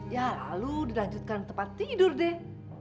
ya lalu dilanjutkan tempat tidur deh